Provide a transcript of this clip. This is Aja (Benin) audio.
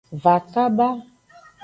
Va kaba.